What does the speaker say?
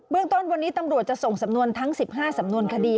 เรื่องต้นวันนี้ตำรวจจะส่งสำนวนทั้ง๑๕สำนวนคดี